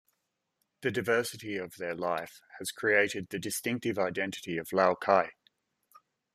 The diversity of their life has created the distinctive identity of Lao Cai.